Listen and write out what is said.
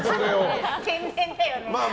天然だよね。